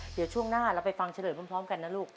เดี๋ยวช่วงหน้าเราไปฟังเฉลยพร้อมกันนะลูก